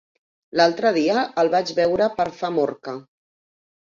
L'altre dia el vaig veure per Famorca.